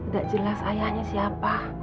gak jelas ayahnya siapa